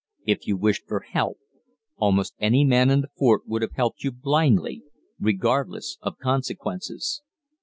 If you wished for help, almost any man in the fort would have helped you blindly, regardless of consequences.